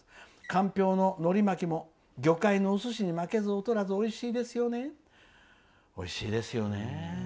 かんぴょうののり巻きも魚介のおすしに負けず劣らずおいしいですよね」。